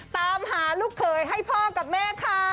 ตามหาลูกเขยให้พ่อกับแม่ค่ะ